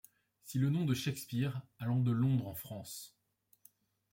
Si le nom de Shakspeare, allant de Londre en France